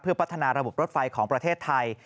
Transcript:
พัฒนาระบบรถไฟของประเทศไทย